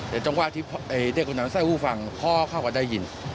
แต่จงว่าเด็กของนั้นใส่ฟูฟังพ่อเขาก็ได้ยิน